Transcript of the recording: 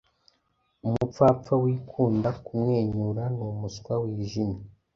Umupfapfa wikunda kumwenyura numuswa wijimye